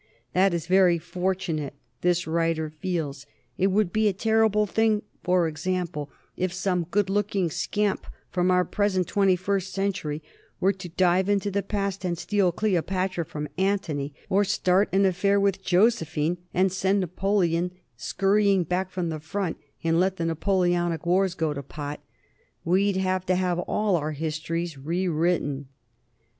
That is very fortunate, this writer feels; it would be a terrible thing for example, if some good looking scamp from our present Twenty first Century were to dive into the past and steal Cleopatra from Antony, or start an affair with Josephine and send Napoleon scurrying back from the front and let the Napoleonic wars go to pot. We'd have to have all our histories rewritten!